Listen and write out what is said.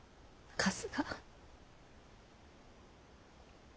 春日。